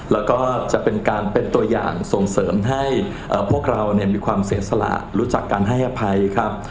แล้วก็จะเป็นการเป็นตัวอย่างส่งเสริมให้พวกเรามีความเสียสละรู้จักการให้อภัยครับ